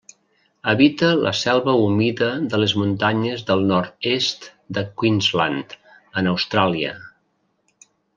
Habita la selva humida de les muntanyes del nord-est de Queensland, en Austràlia.